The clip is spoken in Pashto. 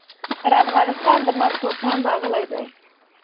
پر افغانستان د مرګ توپان راغلی دی.